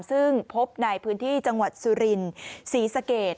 ซึ่งพบในพื้นที่จังหวัดสุรินศรีสะเกด